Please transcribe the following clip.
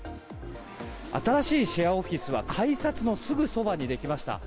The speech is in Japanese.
新しいシェアオフィスは改札のすぐそばにできました。